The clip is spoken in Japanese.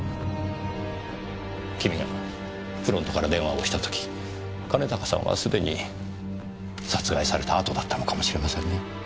君がフロントから電話をした時兼高さんはすでに殺害されたあとだったのかもしれませんね。